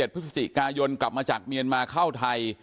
พฤศจิกายนกลับมาจากเมียนมาเข้าไทย